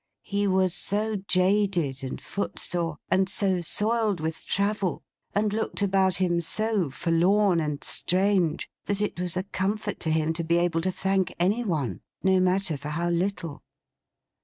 He was so jaded and foot sore, and so soiled with travel, and looked about him so forlorn and strange, that it was a comfort to him to be able to thank any one: no matter for how little.